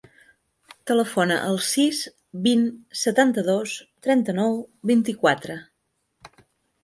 Telefona al sis, vint, setanta-dos, trenta-nou, vint-i-quatre.